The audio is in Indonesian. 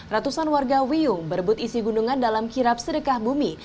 ratusan warga wiyung berebut isi gunungan dalam kirap sedekah bumi